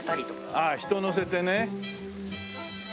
ああ人を乗せてね。